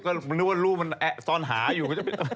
ก็นึกว่าลูกมันแอ๊ะซ่อนหาอยู่